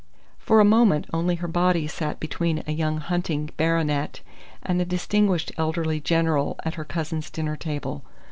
For the moment only her body sat between a young hunting baronet and a distinguished elderly general at her cousins' dinner table.